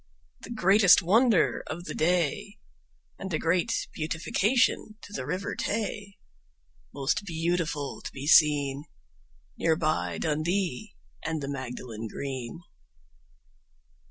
The greatest wonder of the day, And a great beautification to the River Tay, Most beautiful to be seen, Near by Dundee and the Magdalen Green.